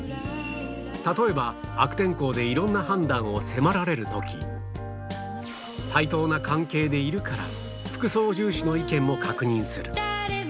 例えば悪天候でいろんな判断を迫られるとき、対等な関係でいるから副操縦士の意見も確認する。